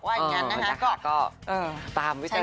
ว่างั้นนะคะก็